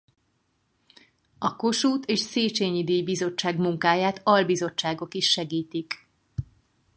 A Kossuth- és Széchenyi-díj-bizottság munkáját albizottságok is segítik.